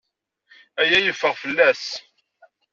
Aya yeffeɣ fell-as.